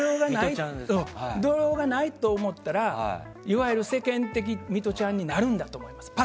度量がないと思ったらいわゆる世間的なミトちゃんになるんだと思います。